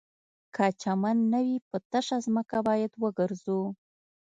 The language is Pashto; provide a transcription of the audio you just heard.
که چمن نه وي په تشه ځمکه باید وګرځو